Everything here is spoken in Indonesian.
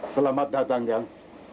selamat datang yang